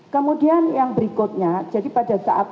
kemudian yang berikutnya jadi pada saat